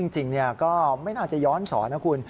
จริงก็ไม่น่าจะย้อนสอนนะคุณ